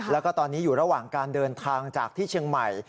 แล้วก็ตอนนี้อยู่ระหว่างการเดินทางจากที่เชียงใหม่